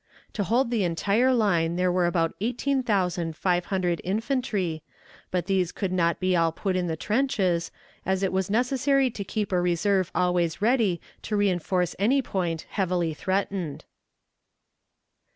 To hold the entire line there were about eighteen thousand five hundred infantry, but these could not all be put in the trenches, as it was necessary to keep a reserve always ready to reënforce any point heavily threatened.